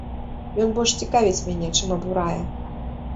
Ён больш цікавіць мяне, чым абурае.